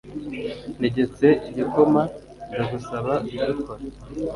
Ntegetse igikoma. Ndagusaba kubikora.